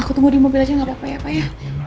aku tunggu di mobil aja nggak apa apa ya pak ya